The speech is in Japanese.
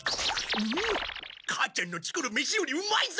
母ちゃんの作る飯よりうまいぞ。